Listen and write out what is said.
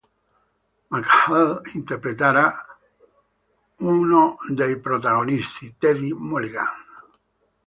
McHale interpreterà uno dei protagonisti, Teddy Mulligan.